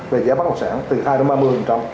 về giá bất động sản từ hai đến ba mươi